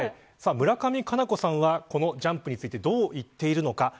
村上佳菜子さんはこのジャンプについてどう言っているのか。